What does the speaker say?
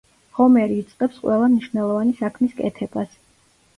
ჰომერი იწყებს ყველა მნიშვნელოვანი საქმის კეთებას.